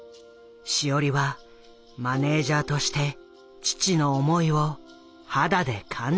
志織はマネージャーとして父の思いを肌で感じ始めていた。